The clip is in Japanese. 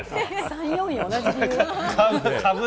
３位、４位は同じ理由。